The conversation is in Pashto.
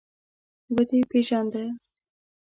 _ودې پېژانده؟